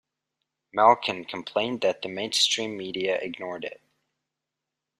Malkin complained that the mainstream media ignored it.